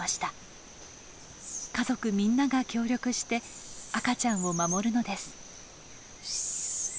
家族みんなが協力して赤ちゃんを守るのです。